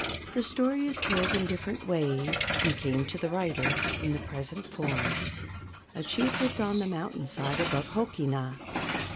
The story is told in different ways, and came to the writer in the present form: A chief lived on the mountain side above Hookena.